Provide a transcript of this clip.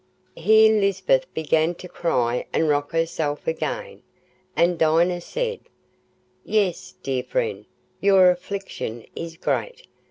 Here Lisbeth began to cry and rock herself again; and Dinah said, "Yes, dear friend, your affliction is great.